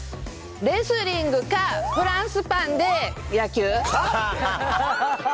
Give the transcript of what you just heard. レスリングかフランスパンで野球。